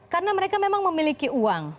karena mereka memang memiliki uang